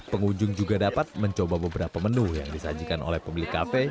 pengunjung juga dapat mencoba beberapa menu yang disajikan oleh pemilik kafe